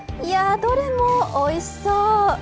どれも、おいしそう。